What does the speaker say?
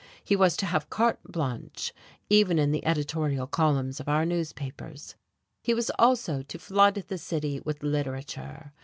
He was to have carte blanche, even in the editorial columns of our newspapers. He was also to flood the city with "literature."